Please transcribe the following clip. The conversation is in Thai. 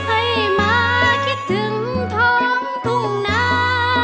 ให้มาคิดถึงท้องทุ่งนา